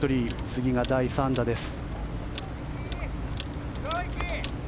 次が第３打です。